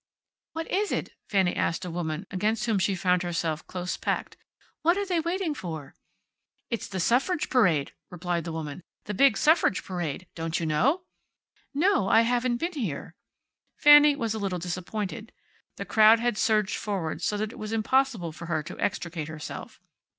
"What is it?" Fanny asked a woman against whom she found herself close packed. "What are they waiting for?" "It's the suffrage parade," replied the woman. "The big suffrage parade. Don't you know?" "No. I haven't been here." Fanny was a little disappointed. The crowd had surged forward, so that it was impossible for her to extricate herself.